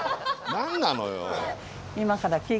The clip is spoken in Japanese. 何なのよ。